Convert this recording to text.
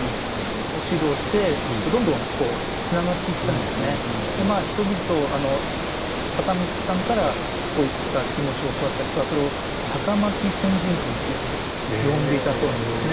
勉強し始めたりしてでまあ人々あの酒巻さんからそういった気持ちを教わった人はそれを「酒巻戦陣訓」っていうふうに呼んでいたそうなんですね。